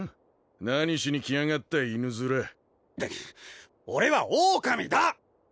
何しに来やがった犬面俺はオオカミだ！